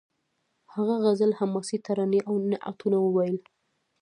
هغه غزل حماسي ترانې او نعتونه وویل